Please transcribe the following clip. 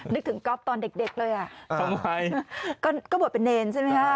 นึกถึงก๊อฟตอนเด็กเลย